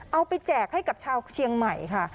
แจกให้กับชาวเชียงใหม่ค่ะ